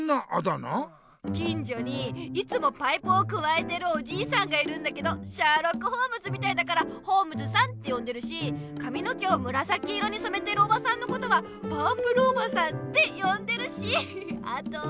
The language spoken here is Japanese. きんじょにいつもパイプをくわえてるおじいさんがいるんだけどシャーロック・ホームズみたいだから「ホームズさん」ってよんでるしかみの毛をむらさき色にそめてるおばさんのことは「パープルおばさん」ってよんでるしあと。